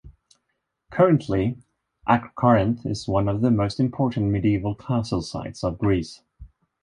Currently, Acrocorinth is one of the most important medieval castle sites of Greece.